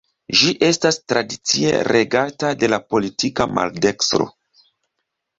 Ĝi estas tradicie regata de la politika maldekstro.